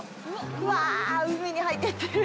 わあ、海に入っていってる。